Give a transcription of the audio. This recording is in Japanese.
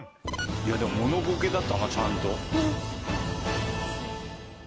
でもモノボケだったなちゃんと。